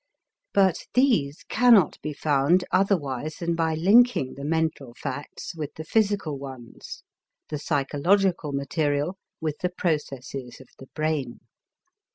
But these cannot be found otherwise than by linking the mental facts with the physical ones, the psychological material with the processes of the brain.